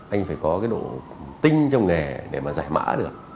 anh phải có cái độ tinh trong nghề để mà giải mã được